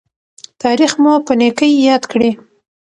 تاریخ مو په نیکۍ یاد کړي.